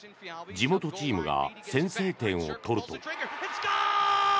地元チームが先制点を取ると。